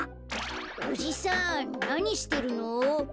おじさんなにしてるの？